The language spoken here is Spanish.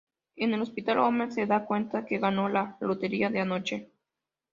En el hospital, Homer se da cuenta que ganó la lotería de anoche.